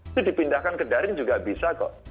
itu dipindahkan ke daring juga bisa kok